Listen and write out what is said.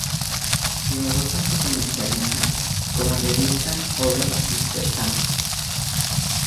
En Europa se comercializa como Levitra-Orodispersable.